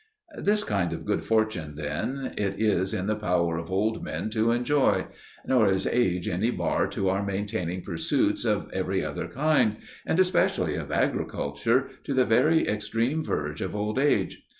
'" This kind of good fortune, then, it is in the power of old men to enjoy; nor is age any bar to our maintaining pursuits of every other kind, and especially of agriculture, to the very extreme verge of old age.